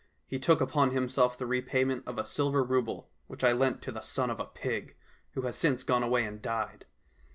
He took upon himself the repayment of a silver rouble, which I lent to the son of a pig, who has since gone away and died.